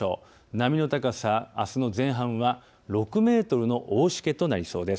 波の高さ、あすの前半は６メートルの大しけとなりそうです。